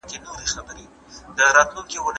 د ژوندانه ټولې ګرانې په لوی زړه زغمل او اقتحامول،